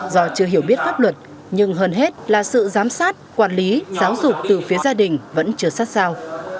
do chưa hiểu biết pháp luật nhưng hơn hết là sự giám sát quản lý giáo dục từ phía gia đình vẫn chưa sát sao